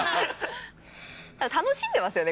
楽しんでますよね